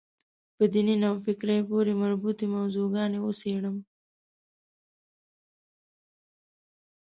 په دیني نوفکرۍ پورې مربوطې موضوع ګانې وڅېړم.